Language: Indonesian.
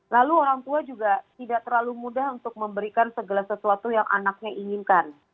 lalu orang tua juga tidak terlalu mudah untuk memberikan segala sesuatu yang anaknya inginkan